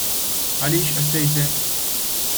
Għaliex qed tgħid hekk?